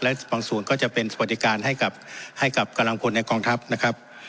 และบางส่วนก็จะเป็นสวัสดิการให้กับกำลังพลในกองทัพนะครับ